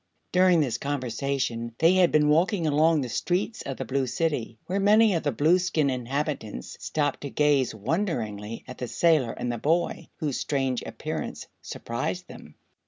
During this conversation they had been walking along the streets of the Blue City, where many of the Blueskin inhabitants stopped to gaze wonderingly at the sailor and the boy, whose strange appearance surprised them.